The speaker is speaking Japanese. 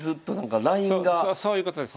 そういうことです。